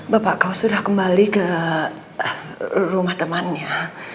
bapak kau sudah kembali ke rumah temannya